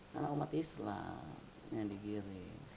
karena umat islam yang digirim